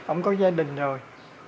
ông có gia đình rồi